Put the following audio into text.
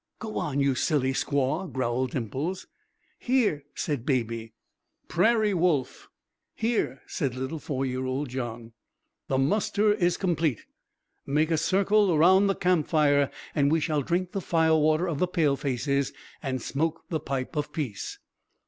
"Go on, you silly squaw!" growled Dimples. "Here," said Baby. "Prairie Wolf!" "Here," said little four year old John. "The muster is complete. Make a circle round the camp fire and we shall drink the firewater of the Palefaces and smoke the pipe of peace."